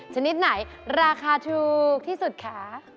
ชนิดไหนราคาถูกที่สุดคะ